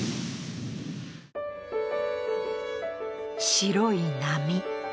白い波。